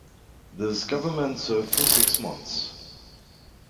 This government served for six months.